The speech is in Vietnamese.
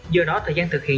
do đó thời gian thực hiện